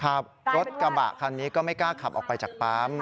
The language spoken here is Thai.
ขับรถกระบะคันนี้ก็ไม่กล้าขับออกไปจากปั๊ม